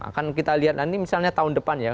akan kita lihat nanti misalnya tahun depan ya